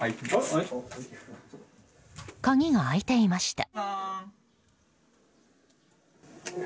鍵が開いていました。